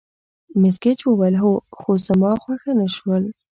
مس ګېج وویل: هو، خو زما خوښه نه شول.